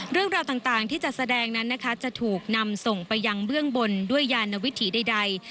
เรื่องราวต่างที่จะแสดงนั้นนะคะจะถูกนำส่งไปยังเบื้องบนด้วยยานวิถีใด